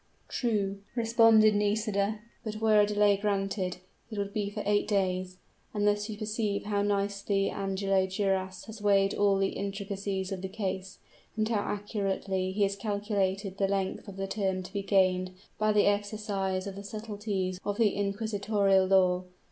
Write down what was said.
"True," responded Nisida; "but were a delay granted, it would be for eight days and thus you perceive how nicely Angelo Duras had weighed all the intricacies of the case, and how accurately he had calculated the length of the term to be gained by the exercise of the subtleties of the inquisitorial law.